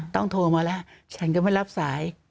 โทรมาแล้วฉันก็ไม่รับสาย